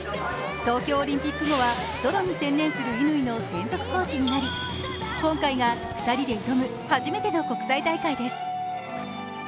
東京オリンピック後はソロに専念する乾の専属コーチになり今回が２人で挑む初めての国際大会です。